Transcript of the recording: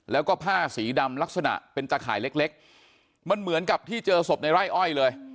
แล้วก็ผ้าสีดำลักษณะเป็นตะข่ายเล็กมันเหมือนกับที่เจอศพในไร่อ้อยเลย